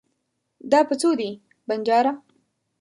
دا په څو دی ؟ بنجاره